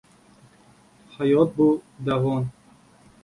Hayot bu – dovon